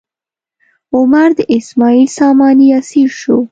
عمر د اسماعیل ساماني اسیر شو.